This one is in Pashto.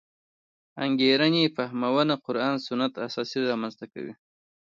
انګېرنې فهمونه قران سنت اساس رامنځته شوې.